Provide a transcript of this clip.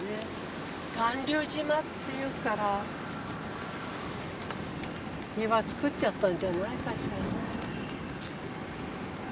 巌流島っていうから岩作っちゃったんじゃないかしら。